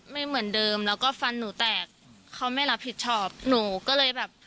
ไม่เหมือนเดิมแล้วก็ฟันหนูแตกเขาไม่รับผิดชอบหนูก็เลยแบบ